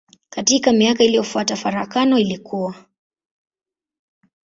Katika miaka iliyofuata farakano ilikua.